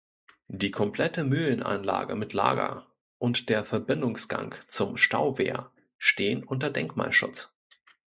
Die komplette Mühlenanlage mit Lager und der Verbindungsgang zum Stauwehr stehen unter Denkmalschutz.